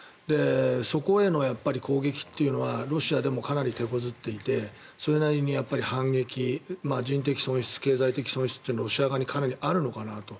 そこへの攻撃というのはロシアでもかなり手こずっていてそれなりに反撃人的損失、経済的損失というのがロシア側にかなりあるのかなと。